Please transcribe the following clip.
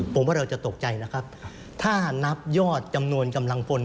ผมว่าเราจะตกใจนะครับถ้านับยอดจำนวนกำลังพล